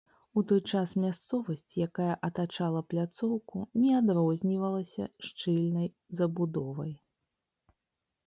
У той час мясцовасць, якая атачала пляцоўку, не адрознівалася шчыльнай забудовай.